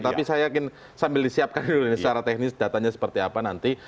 tapi saya yakin sambil disiapkan dulu ini secara teknis datanya seperti apa nanti